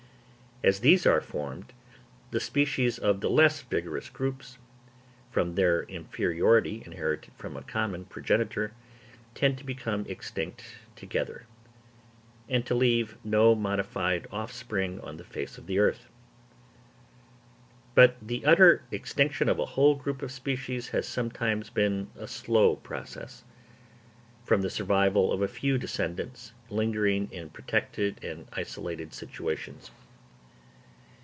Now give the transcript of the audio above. As these are formed, the species of the less vigorous groups, from their inferiority inherited from a common progenitor, tend to become extinct together, and to leave no modified offspring on the face of the earth. But the utter extinction of a whole group of species has sometimes been a slow process, from the survival of a few descendants, lingering in protected and isolated situations.